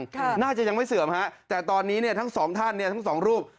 ครับค่ะน่าจะยังไม่เสื่อมแต่ตอนนี้ทั้ง๒ท่านทั้ง๒รูป